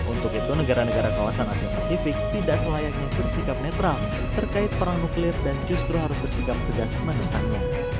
untuk itu negara negara kawasan asia pasifik tidak selayaknya bersikap netral terkait perang nuklir dan justru harus bersikap tegas menentangnya